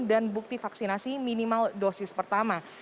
dan bukti vaksinasi minimal dosis pertama